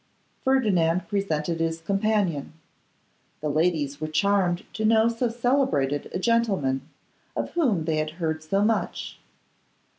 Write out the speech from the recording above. Ferdinand presented his companion. The ladies were charmed to know so celebrated a gentleman, of whom they had heard so much.